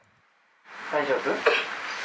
大丈夫？